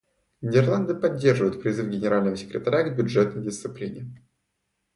Нидерланды поддерживают призыв Генерального секретаря к бюджетной дисциплине.